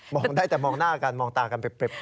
ได้แต่มองหน้ากันมองตากันเปรียบ